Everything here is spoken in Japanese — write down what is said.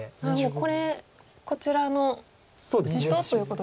これこちらの地とということですね。